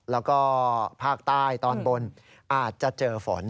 แล้วก็ภาคใต้ตอนบนอาจจะเจอฝน